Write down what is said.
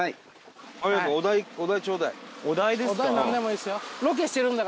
お題ですか？